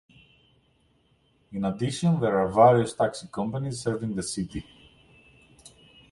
In addition, there are various taxi companies serving the city.